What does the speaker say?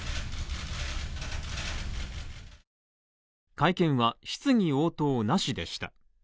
会見は、質疑応答なしでした。